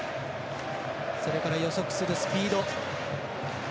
それから予測するスピード。